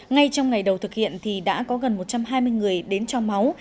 ngay trong ngày đầu thực hiện thì đã có gần một trăm hai mươi người đến cho máu